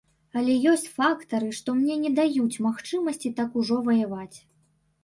Але ёсць фактары, што мне не даюць магчымасці так ужо ваяваць.